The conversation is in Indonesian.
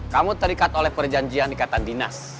kamu terikat oleh perjanjian ikatan dinas